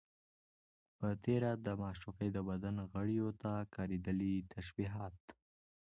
په تېره، د معشوقې د بدن غړيو ته کارېدلي تشبيهات